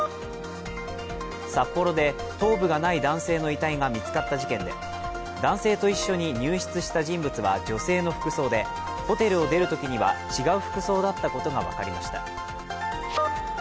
札幌で、頭部がない男性の遺体が見つかった事件で男性と一緒に入室した人物は女性の服装でホテルを出るときには違う服装だったことが分かりました。